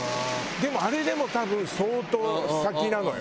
でもあれでも多分相当先なのよ。